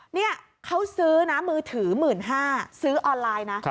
นี่เขาซื้อนะมือถือ๑๕๐๐บาทซื้อออนไลน์นะ